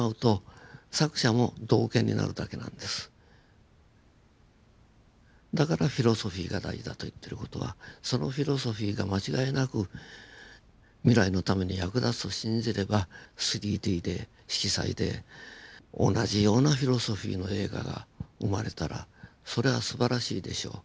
ただだからフィロソフィーが大事だと言ってる事はそのフィロソフィーが間違いなく未来のために役立つと信じれば３Ｄで色彩で同じようなフィロソフィーの映画が生まれたらそれはすばらしいでしょう。